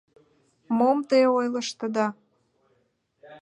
— Мом те ойлыштыда!